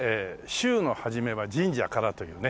「週の初めは神社から」というね